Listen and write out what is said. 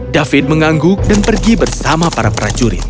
david mengangguk dan pergi bersama para prajurit